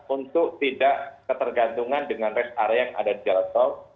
untuk tidak ketergantungan dengan rest area yang ada di jalan tol